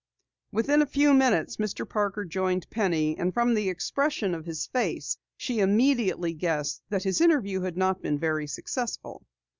Within a few minutes Mr. Parker joined Penny and from the expression of his face, she immediately guessed that his interview had not been very successful.